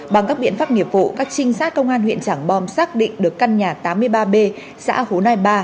bằng các biện pháp nghiệp vụ các trinh sát công an huyện trảng bom xác định được căn nhà tám mươi ba b xã hồ nai ba